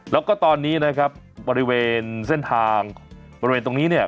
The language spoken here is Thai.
แล้วก็ตอนนี้นะครับบริเวณเส้นทางบริเวณตรงนี้เนี่ย